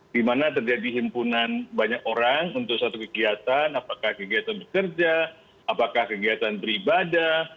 di mana terjadi himpunan banyak orang untuk satu kegiatan apakah kegiatan bekerja apakah kegiatan beribadah